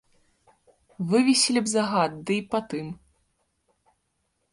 Вывесілі б загад, ды і па тым.